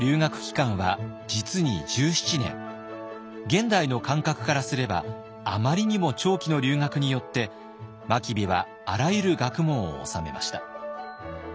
現代の感覚からすればあまりにも長期の留学によって真備はあらゆる学問を修めました。